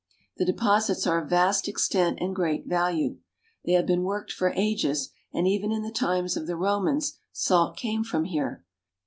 The deposits are of vast extent and great value. They have been worked for ages, and even in the times of the Romans salt came from here.